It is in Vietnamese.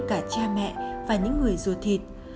cả cha mẹ và những người rùa thịt